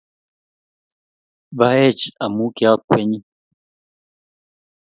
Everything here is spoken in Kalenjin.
Ba-ech amu ki akwennyi.